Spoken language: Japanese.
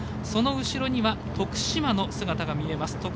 その後ろには徳島の姿が見えます。